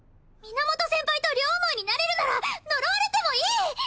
源先輩と両思いになれるなら呪われてもいい！